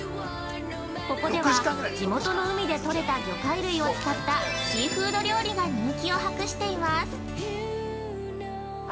ここでは、地元の海で取れた魚介類を使ったシーフード料理が、人気を博しています。